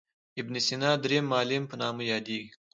ابن سینا درېم معلم په نامه یادیږي.